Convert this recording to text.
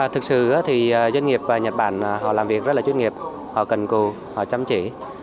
thực sự thì doanh nghiệp và nhật bản họ làm việc rất là chuyên nghiệp họ cần cù họ chăm chỉ